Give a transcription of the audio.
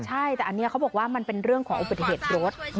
ใช่แต่อันนี้เขาบอกว่ามันเป็นเรื่องของอุบัติเหตุรถ